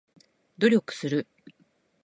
努力する